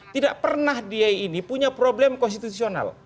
tidak pernah dia ini punya problem konstitusional